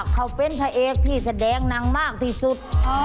เขาเป็นพระเอกที่แสดงนางมากที่สุด